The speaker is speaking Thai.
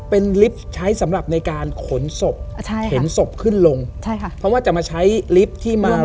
เป็นลิฟต์ใช้สำหรับในการขนศพเข็นศพขึ้นลงใช่ค่ะเพราะว่าจะมาใช้ลิฟท์ที่มา